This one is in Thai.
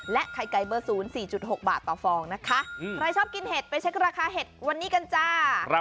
ไข่ไก่เบอร์๐๔๖บาทต่อฟองนะคะใครชอบกินเห็ดไปเช็คราคาเห็ดวันนี้กันจ้า